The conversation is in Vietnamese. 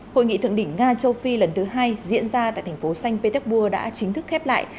hội nghị thượng đỉnh nga châu phi lần thứ hai diễn ra tại thành phố xanh petersburg đã chính thức khép lại